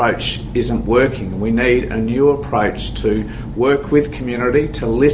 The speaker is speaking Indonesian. untuk mendengar komunitas dengan yang saya maksudkan komunitas first nations